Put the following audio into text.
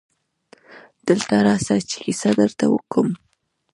دلته راسه چي کیسه درته وکم.